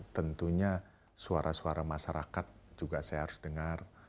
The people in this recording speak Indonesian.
tentunya suara suara masyarakat juga saya harus dengar